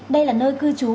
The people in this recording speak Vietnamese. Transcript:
đây là nơi cư trú